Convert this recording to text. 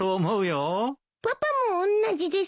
パパもおんなじですか？